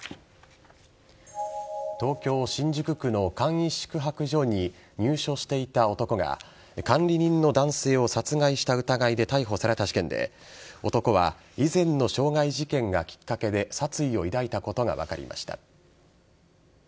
東京・新宿区の簡易宿泊所に入所していた男が管理人の男性を殺害した疑いで逮捕された事件で男は以前の傷害事件がきっかけで殺意を抱いたことが分かりました。